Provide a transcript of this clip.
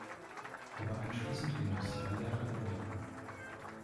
Er war anschließend Gymnasiallehrer in Metten.